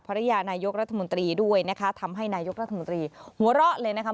นายกรัฐมนตรีด้วยนะคะทำให้นายกรัฐมนตรีหัวเราะเลยนะคะ